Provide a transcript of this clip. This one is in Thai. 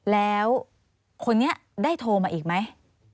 แล้วคนนี้ได้โทรมาอีกไหม